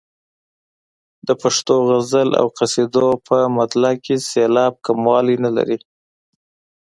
د پښتو غزل او قصیدو په مطلع کې سېلاب کموالی نه لري.